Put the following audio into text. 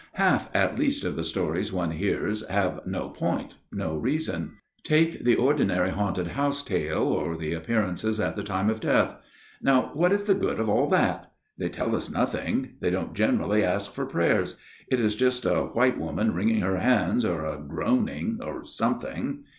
" Half at least of the stories one hears have no point no reason. Take the ordinary haunted house tale, or the appearances at the time of death. Now what is the good of all that ? They tell us nothing ; they don't generally ask for prayers. It is just PROLOGUE 5 a white woman wringing her hands, or a groaning, or something.